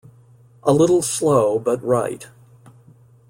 A little slow, but right.